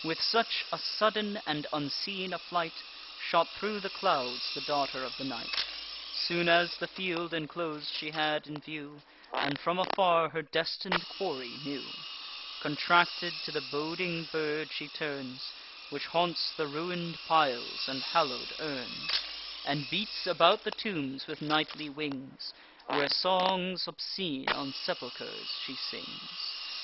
With such a sudden and unseen a flight Shot thro' the clouds the daughter of the night. Soon as the field inclos'd she had in view, And from afar her destin'd quarry knew, Contracted, to the boding bird she turns, Which haunts the ruin'd piles and hallow'd urns, And beats about the tombs with nightly wings, Where songs obscene on sepulchers she sings.